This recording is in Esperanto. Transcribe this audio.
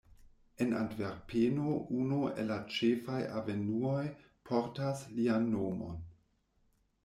En Antverpeno unu el la ĉefaj avenuoj portas lian nomon.